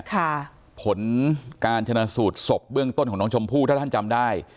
ผลการชนะสูตรศพเบื้องต้นของน้องชมพู่ถ้าท่านจำได้